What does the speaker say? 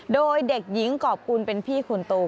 โดยเด็กหญิงกรอบกุลเป็นพี่คนโต